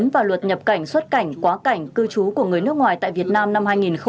và luật nhập cảnh xuất cảnh quá cảnh cư trú của người nước ngoài tại việt nam năm hai nghìn một mươi chín